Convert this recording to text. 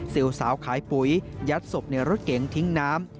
สาวขายปุ๋ยยัดศพในรถเก๋งทิ้งน้ำ